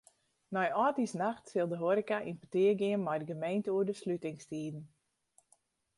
Nei âldjiersnacht sil de hoareka yn petear gean mei de gemeente oer de slutingstiden.